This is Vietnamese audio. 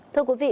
thưa quý vị